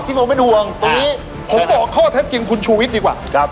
มองไม่ดวงตรงนี้ผมบอกข้อเท็จจริงคุณชูวิทย์ดีกว่าครับ